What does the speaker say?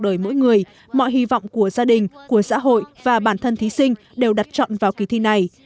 đời mỗi người mọi hy vọng của gia đình của xã hội và bản thân thí sinh đều đặt chọn vào kỳ thi này